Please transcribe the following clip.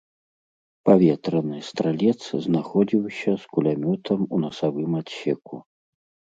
Паветраны стралец знаходзіўся з кулямётам у насавым адсеку.